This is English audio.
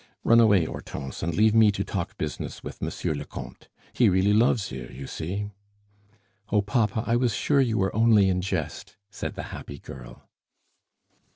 "Run away, Hortense, and leave me to talk business with Monsieur le Comte. He really loves you, you see!" "Oh, papa, I was sure you were only in jest," said the happy girl.